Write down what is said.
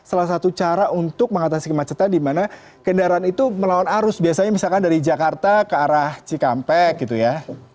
salah satu cara untuk mengatasi kemacetan di mana kendaraan itu melawan arus biasanya misalkan dari jakarta ke arah cikampek gitu ya